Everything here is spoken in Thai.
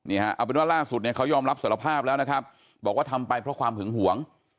เอาเป็นว่าล่าสุดเนี่ยเขายอมรับสารภาพแล้วนะครับบอกว่าทำไปเพราะความหึงหวง